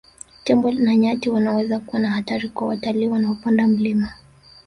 Tembo na nyati wanaweza kuwa na hatari kwa watalii wanaopanda mlima